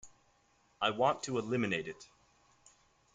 I want to eliminate it.